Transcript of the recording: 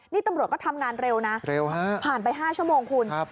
นี่ตำรวจก็ทำงานเร็วน่ะเร็วห้าผ่านไปห้าชั่วโมงคุณครับ